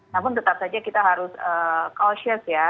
namun tetap saja kita harus caucious ya